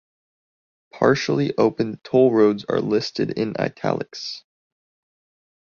Partially opened toll roads are listed in "italics".